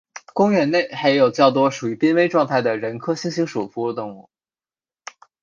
公园内还有较多处于濒危状态的人科猩猩属哺乳动物。